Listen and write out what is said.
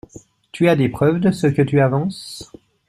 Tu as des preuves de ce que tu avances?